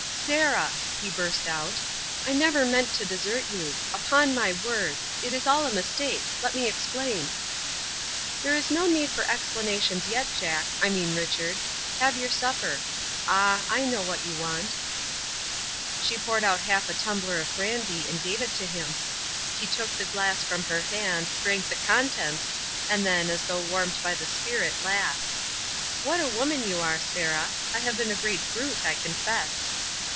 "Sarah!" he burst out, "I never meant to desert you. Upon my word. It is all a mistake. Let me explain." "There is no need for explanations yet, Jack I mean Richard. Have your supper. Ah! I know what you want." She poured out half a tumbler of brandy, and gave it to him. He took the glass from her hand, drank the contents, and then, as though warmed by the spirit, laughed. "What a woman you are, Sarah. I have been a great brute, I confess."